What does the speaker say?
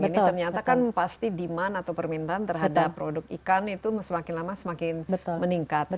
ini ternyata kan pasti demand atau permintaan terhadap produk ikan itu semakin lama semakin meningkat